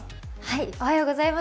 おはようございます。